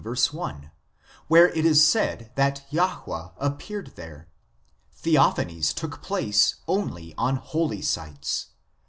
1, where it is said that Jahwe appeared here. Theophanies took place only on holy sites.